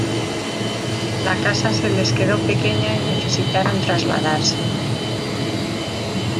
La casa se les quedó pequeña y necesitaron trasladarse.